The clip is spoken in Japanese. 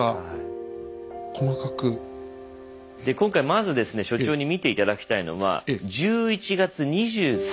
今回まずですね所長に見て頂きたいのは１１月２３日。